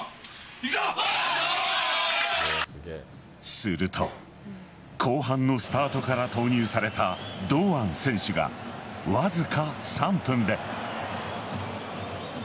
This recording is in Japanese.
すると後半のスタートから投入された堂安選手がわずか３分で。